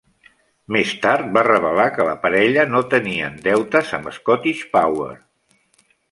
Més tard va revelar que la parella no tenien deutes amb Scottish Power.